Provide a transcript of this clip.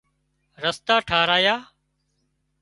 رستا ٽاهرايا